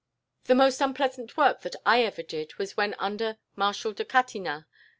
"The most unpleasant work that I ever did was when under Marshal de Catinat.